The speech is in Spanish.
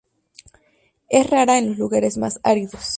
Es rara en los lugares más áridos.